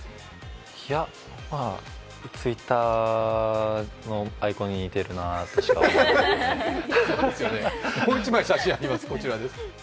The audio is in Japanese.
いや、まあＴｗｉｔｔｅｒのアイコンに似てるかなとしかもう１枚写真あります。